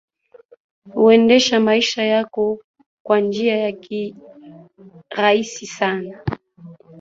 Huendesha maisha yao kwa njia ya kirahisi sana